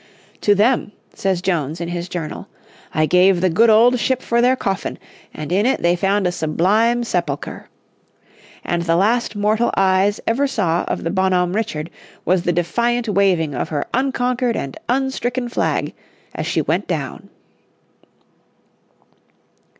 "To them," says Jones, in his journal, "I gave the good old ship for their coffin, and in it they found a sublime sepulchre. And the last mortal eyes ever saw of the Bonhomme Richard was the defiant waving of her unconquered and unstricken flag as she went down."